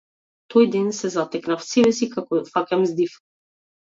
Тој ден се затекнав себе си како фаќам здив.